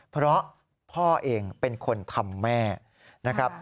เพราะพ่อเองเป็นคนทำแม่นะครับ